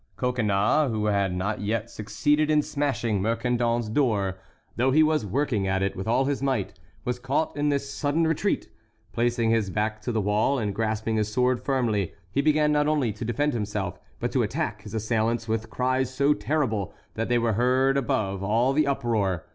Coconnas, who had not yet succeeded in smashing Mercandon's door, though he was working at it with all his might, was caught in this sudden retreat. Placing his back to the wall, and grasping his sword firmly, he began not only to defend himself, but to attack his assailants, with cries so terrible that they were heard above all the uproar.